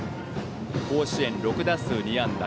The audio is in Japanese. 甲子園６打数２安打